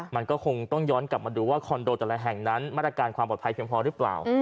มันก็คงต้องย้อนกลับมาดูว่าคอนโดแต่ละแห่งนั้นมาตรการความปลอดภัยเพียงพอหรือเปล่า